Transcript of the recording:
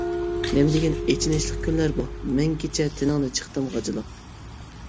نېمىدېگەن ئېچىنىشلىق كۈنلەر بۇ. مىڭ كېچە تېنىڭنى چىقتىم غاجىلاپ.